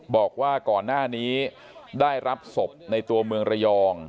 บอกว่าก่อนหน้านี้ได้รับศพในตัวเมืองระยอง